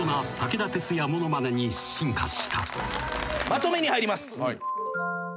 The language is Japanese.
まとめに入ります。